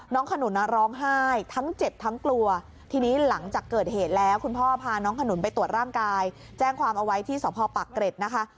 ขนุนร้องไห้ทั้งเจ็บทั้งกลัวทีนี้หลังจากเกิดเหตุแล้วคุณพ่อพาน้องขนุนไปตรวจร่างกายแจ้งความเอาไว้ที่สพปากเกร็ดนะคะ